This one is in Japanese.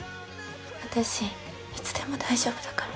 私、いつでも大丈夫だから。